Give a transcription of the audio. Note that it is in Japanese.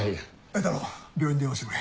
榮太郎病院に電話してくれ。